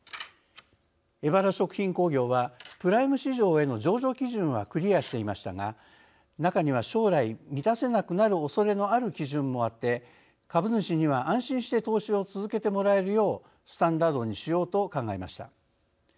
エバラ食品工業はプライム市場への上場基準はクリアしていましたが中には将来、満たせなくなるおそれのある基準もあって株主には安心して投資を続けてもらえるようスタンダードにしようと考えました。